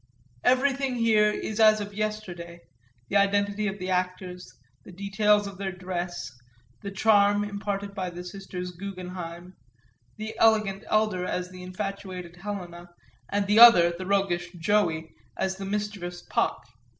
Everything here is as of yesterday, the identity of the actors, the details of their dress, the charm imparted by the sisters Gougenheim, the elegant elder as the infatuated Helena and the other, the roguish "Joey" as the mischievous Puck.